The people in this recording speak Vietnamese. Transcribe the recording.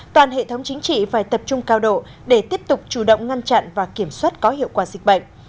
toàn hệ thống chính trị phải tập trung cao độ để tiếp tục chủ động ngăn chặn và kiểm soát có hiệu quả dịch bệnh